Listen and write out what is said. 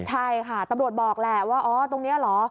ใช่ค่ะตำรวจบอกแหละว่าอ๋อตรงนี้เหรอ